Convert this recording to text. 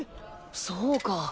そうか。